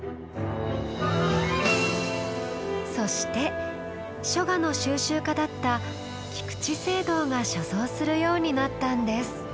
そして書画の収集家だった菊池惺堂が所蔵するようになったんです。